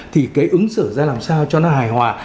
thì cái ứng xử ra làm sao cho nó hài hòa